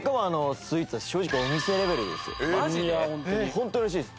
ホントに美味しいです。